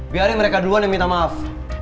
biarin mereka duluan yang minta maaf